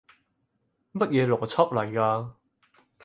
乜嘢邏輯嚟㗎？